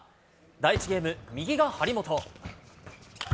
第１ゲーム、右が張本。